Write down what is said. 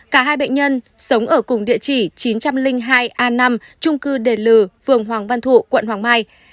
cả hai bệnh nhân sống ở cùng địa chỉ chín trăm linh hai a năm trung cư đề lừ phường hoàng văn thụ quận hoàng mai